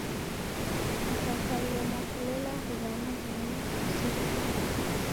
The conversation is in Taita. Mkakalemwa kulela w'ana w'enyu musew'idaghe.